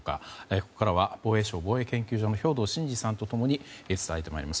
ここからは防衛省防衛研究所の兵頭慎治さんと共に伝えてもらいます。